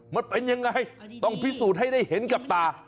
มันเป็นยังไงต้องพิสูจน์ให้ได้เห็นกับตา